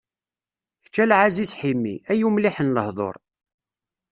Kečč a Lɛaziz Ḥimi! Ay umliḥ n lehḍur.